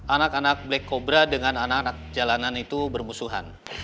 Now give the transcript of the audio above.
anak anak black cobra dengan anak anak jalanan itu bermusuhan